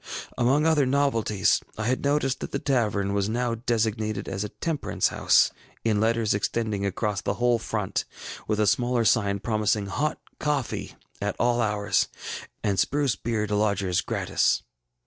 ŌĆ£Among other novelties, I had noticed that the tavern was now designated as a Temperance House, in letters extending across the whole front, with a smaller sign promising Hot Coffee at all hours, and Spruce Beer to lodgers gratis.